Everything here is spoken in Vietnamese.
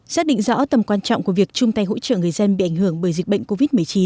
xác định rõ tầm quan trọng của việc chung tay hỗ trợ người dân bị ảnh hưởng bởi dịch bệnh covid một mươi chín